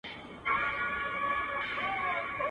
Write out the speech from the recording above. په خوله خوږ، په کونه کوږ .